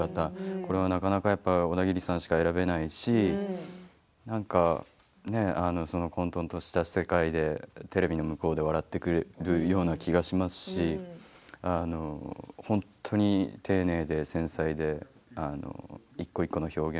これは、なかなか、やっぱオダギリさんしか選べないし混とんとした世界でテレビの向こうで笑ってくれるような気がしますし本当に丁寧で繊細で一個一個の表現